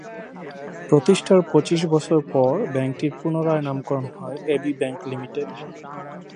প্রতিষ্ঠার পঁচিশ বছর পর ব্যাংকটির পুনরায় নামকরণ হয় এবি ব্যাংক লিমিটেড।